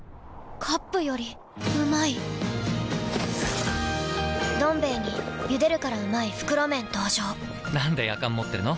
カップよりうまい「どん兵衛」に「ゆでるからうまい！袋麺」登場なんでやかん持ってるの？